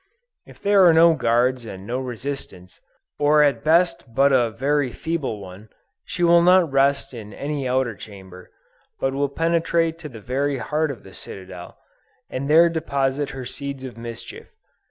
If there are no guards and no resistance, or at best but a very feeble one, she will not rest in any outer chamber, but will penetrate to the very heart of the citadel, and there deposit her seeds of mischief.